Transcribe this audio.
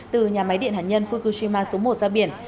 từ nhà máy điện hạt nhân fukushima số một ra biển